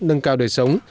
nâng cao đời sống